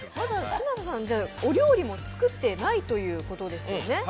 嶋佐さん、まだお料理も作ってないということですね。